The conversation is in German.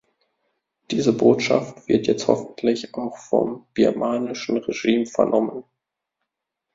Diese Botschaft wird jetzt hoffentlich auch vom birmanischen Regime vernommen.